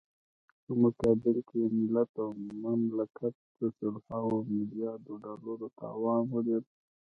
په مقابل کې يې ملت او مملکت د سلهاوو ملیاردو ډالرو تاوان وليد.